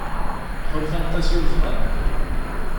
Ḥulfant-as i wezɣal?